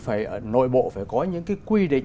phải ở nội bộ phải có những cái quy định